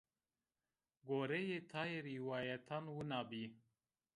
Goreyê taye rîwayetan wina bî